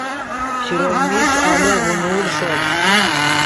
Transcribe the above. شروئے میش آلو ڤینوڑ ݰوت